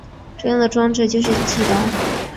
这样的装置就是翼刀。